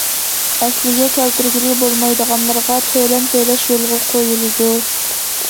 ئەسلىگە كەلتۈرگىلى بولمايدىغانلىرىغا تۆلەم تۆلەش يولغا قويۇلىدۇ.